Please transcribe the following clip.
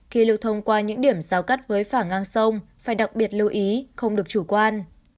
khi lưu thông qua những điểm giao cắt với phả ngang sông phải đặc biệt lưu ý không được chủ quan